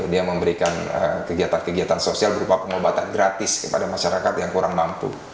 dia memberikan kegiatan kegiatan sosial berupa pengobatan gratis kepada masyarakat yang kurang mampu